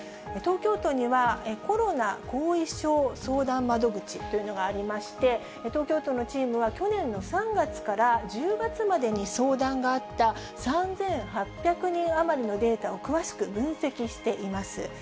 東京都にはコロナ後遺症相談窓口というのがありまして、東京都のチームでは、去年の３月から１０月までに相談があった３８００人余りのデータを詳しく分析しています。